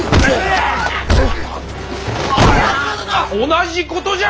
同じことじゃ！